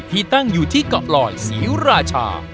ที่ตั้งอยู่ที่เกาะลอยศรีราชา